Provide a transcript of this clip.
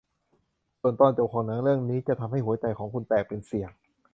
ส่วนตอนจบของหนังเรื่องนี้จะทำให้หัวใจของคุณแตกเป็นเสี่ยง